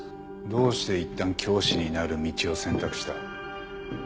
どうしていったん教師になる道を選択した？